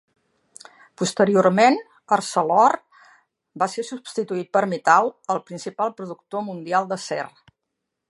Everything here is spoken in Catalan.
Posteriorment, Arcelor va ser substituït per Mittal, el principal productor mundial d'acer.